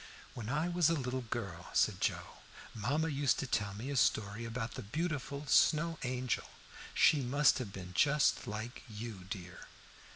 "When I was a little girl," said Joe, "mamma used to tell me a story about the beautiful Snow Angel: she must have been just like you, dear."